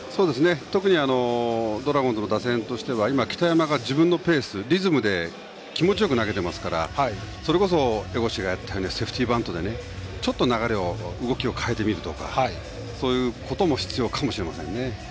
特にドラゴンズの打線は今、北山が自分のペースで気持ちよく投げているのでそれこそ、江越がやったようにセーフティーバントでちょっと流れを、動きを変えてみるとか、そういうことも必要かもしれませんね。